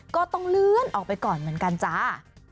ก็ต้องเลื่อนออกไปก่อนเหมือนกันจ้า